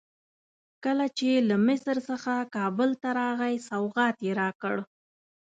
کله چې له مصر څخه کابل ته راغی سوغات یې راکړ.